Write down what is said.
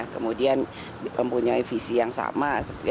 kemudian mempunyai visi yang sama